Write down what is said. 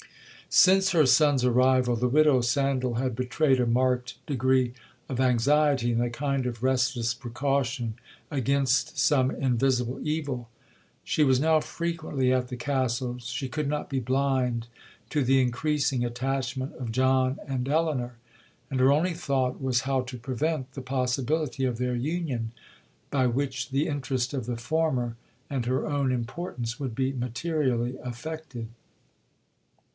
'Since her son's arrival, the widow Sandal had betrayed a marked degree of anxiety, and a kind of restless precaution against some invisible evil. She was now frequently at the Castle. She could not be blind to the increasing attachment of John and Elinor,—and her only thought was how to prevent the possibility of their union, by which the interest of the former and her own importance would be materially affected.